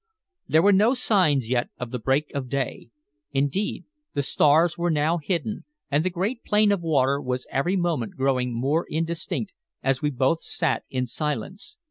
There were no signs yet of the break of day. Indeed, the stars were now hidden, and the great plane of water was every moment growing more indistinct as we both sat in silence.